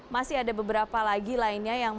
masih ada beberapa lagi lainnya yang